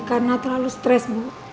karena terlalu stres bu